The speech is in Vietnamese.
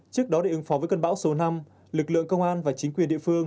trước đó để ứng phó với cơn bão số năm lực lượng công an và chính quyền địa phương